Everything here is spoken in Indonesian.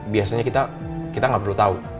biasanya kita nggak perlu tahu